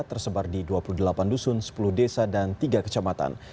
tersebar di dua puluh delapan dusun sepuluh desa dan tiga kecamatan